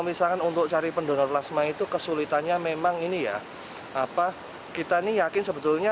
misalkan untuk cari pendonor plasma itu kesulitannya memang ini ya apa kita nih yakin sebetulnya